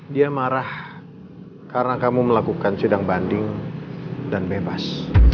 dia marah karena kamu melakukan sidang banding dan bebas